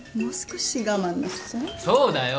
そうだよ。